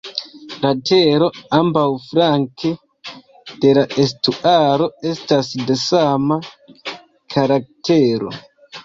La tero ambaŭflanke de la estuaro estas de sama karaktero.